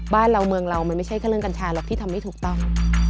บ้านเราเมืองเรามันไม่ใช่แค่เรื่องกัญชาหรอกที่ทำไม่ถูกต้อง